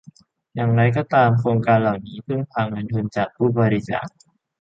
อย่างไรก็ตามโครงการเหล่านี้พึ่งพาเงินทุนจากผู้บริจาค